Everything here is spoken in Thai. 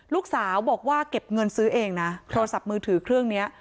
ลูกสาวบอกว่าเก็บเงินซื้อเองนะโทรศัพท์มือถือเครื่องนี้